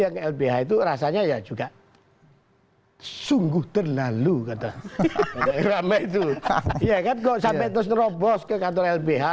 yang lbh itu rasanya ya juga hai sungguh terlalu kata ramai itu sampai terus robos ke kantor lbh